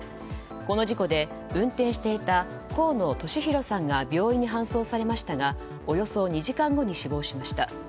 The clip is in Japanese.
この事故で、運転していた幸野利広さんが病院に搬送されましたがおよそ２時間後に死亡しました。